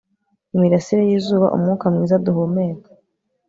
imirasire y'izuba, umwuka mwiza duhumeka